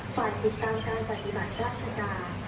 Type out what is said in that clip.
ฝ่ายติดตามการปฏิบัติราชการ